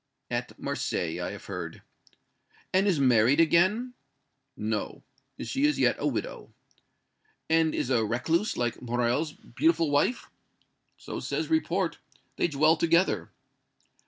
"At Marseilles, I have heard." "And is married again?" "No. She is yet a widow." "And is a recluse, like Morrel's beautiful wife?" "So says report. They dwell together."